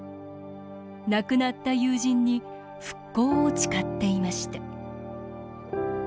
亡くなった友人に復興を誓っていました。